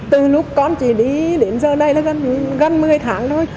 từ lúc con chỉ đi đến giờ đây là gần một mươi tháng thôi